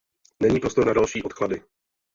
Není prostor na další odklady.